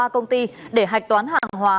ba công ty để hạch toán hàng hóa